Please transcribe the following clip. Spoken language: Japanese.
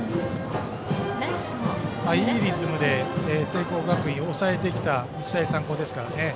いいリズムで聖光学院を抑えてきた日大三高ですからね。